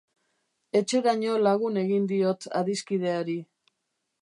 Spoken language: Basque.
Etxeraino lagun egin diot adiskideari.